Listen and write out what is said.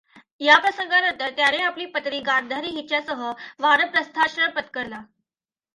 या प्रसंगानंतर त्याने आपली पत्नी गांधारी हिच्यासह वानप्रस्थाश्रम पत्करला.